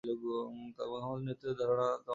মুহাম্মাদের-নেতৃত্বের ধারণা তোমার নেই।